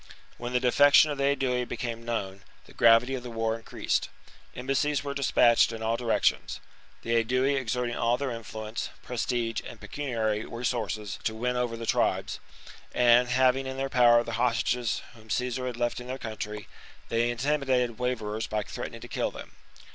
When the defection of the Aedui became !he Aedur"* known the gravity of the war increased. Em dl?ectbn of bassies were dispatched in all directions, the Aedui verdnge exerting all their influence, prestige, and pecuniary commlndS rcsourccs to win over the tribes ; and, having in chagHnof their power the hostages whom Caesar had left in their country, they intimidated waverers by threatening to kill them.